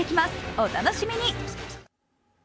お楽しみに。